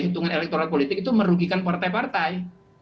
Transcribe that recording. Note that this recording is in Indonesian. hitungan elektoral politik itu merugikan partai partai